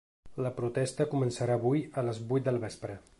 La protesta començarà avui a les vuit del vespre.